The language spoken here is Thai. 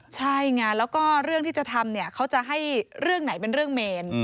ใช่ไงแล้วก็เรื่องที่จะทำเนี่ยเขาจะให้เรื่องไหนเป็นเรื่องเมน